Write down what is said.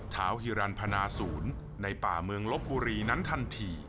เท้าฮิรันพนาศูนย์ในป่าเมืองลบบุรีนั้นทันที